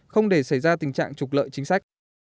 không để xảy ra tình trạng trục lợi chính sách